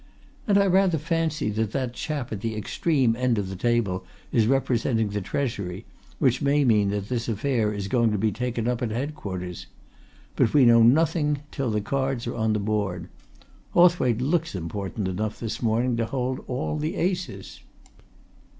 And I rather fancy that that chap at the extreme end of the table is representing the Treasury which may mean that this affair is going to be taken up at Head quarters. But we know nothing till the cards are on the board! Hawthwaite looks important enough this morning to hold all the aces!"